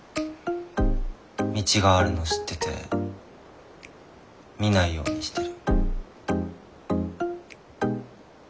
道があるの知ってて見ないようにしてる。